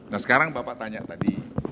nah sekarang bapak tanya tadi